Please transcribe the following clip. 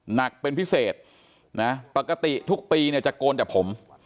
หนักเป็นพิเศษนะปกติทุกปีเนี่ยจะโกนแต่ผม